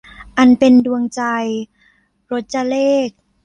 อันเป็นดวงใจ - รจเรข